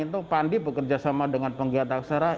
di tahun kemarin itu pandi bekerja sama dengan penggiat aksara